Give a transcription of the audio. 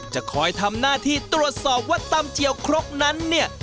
จะคอยทำหน้าที่ตรวจสอบว่าตำเจียวครกนั้นเนี่ย